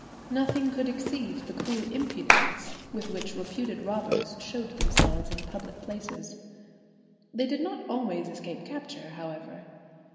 Nothing could exceed the cool impudence with which reputed robbers showed themselves in public places. They did not always escape capture, however.